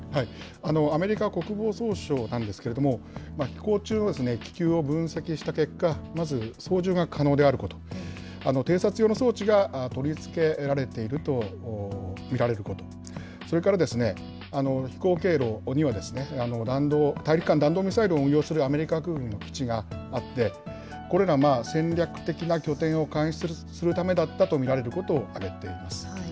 アメリカ国防総省なんですけれども、飛行中の気球を分析した結果、まず、操縦が可能であること、偵察用の装置が取り付けられていると見られること、それから、飛行経路には、大陸間弾道ミサイルを運用するアメリカ空軍の基地があって、これが戦略的な拠点を監視するためだったということをいっています。